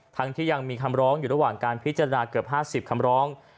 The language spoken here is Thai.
ที่ยังมีคำร้องอยู่ระหว่างการพิจารณาเกือบ๕๐คำร้อง